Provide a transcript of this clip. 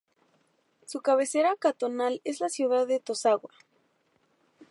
Su cabecera cantonal es la ciudad de Tosagua.